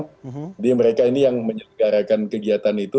jadi mereka ini yang menyelenggarakan kegiatan itu